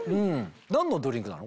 何のドリンクなの？